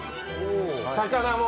魚も。